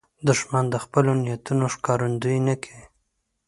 دښمن د خپلو نیتونو ښکارندویي نه کوي